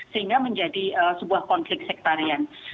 sehingga menjadi sebuah konflik sektarian